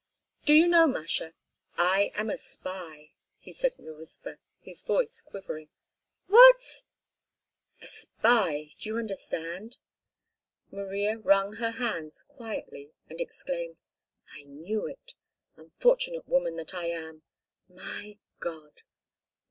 "Do you know, Masha—I am a spy!" he said in a whisper, his voice quivering. "What?" "A spy, do you understand?" Maria wrung her hands quietly and exclaimed: "I knew it, unfortunate woman that I am—my God!